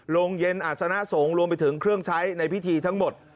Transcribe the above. โรงเย็นอาศนสงฆ์รวมไปถึงเครื่องใช้ในพิธีทั้งหมด